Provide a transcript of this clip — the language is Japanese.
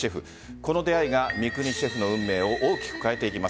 この出会いが三國シェフの運命を大きく変えていきます。